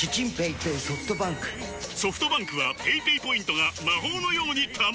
ソフトバンクはペイペイポイントが魔法のように貯まる！